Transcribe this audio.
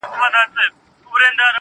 هر گړى خــوشـــالـــه اوســـــــــــې_